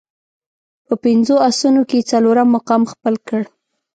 په پنځو اسونو کې یې څلورم مقام خپل کړ.